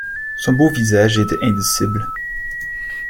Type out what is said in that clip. Son beau visage était indicible.